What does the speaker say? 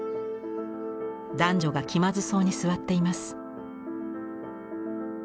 男女が気まずそうに座っています。